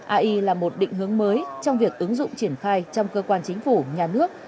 ai là một định hướng mới trong việc ứng dụng triển khai trong cơ quan chính phủ nhà nước